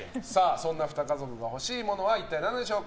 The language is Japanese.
そんなふた家族が欲しいものは一体何なのでしょうか。